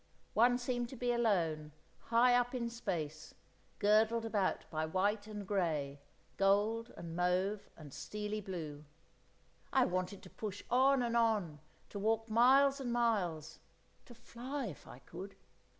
One seemed to be alone, high up in space, girdled about by white and grey, gold and mauve and steely blue; I wanted to push on and on, to walk miles and miles, to fly if I could.